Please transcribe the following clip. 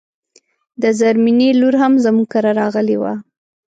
د زرمينې لور هم زموږ کره راغلی و